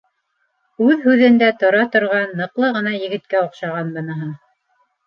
Үҙ һүҙендә тора торған, ныҡлы ғына егеткә оҡшаған быныһы.